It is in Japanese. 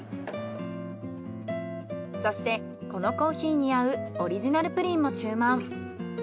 そしてこのコーヒーに合うオリジナルプリンも注文。